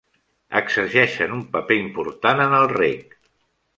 Exerceixen un paper important en el reg.